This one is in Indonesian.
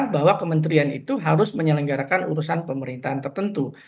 bahwa kementerian itu harus menyelenggarakan urusan pemerintahan tertentu